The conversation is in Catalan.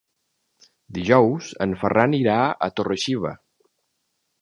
Dijous en Ferran irà a Torre-xiva.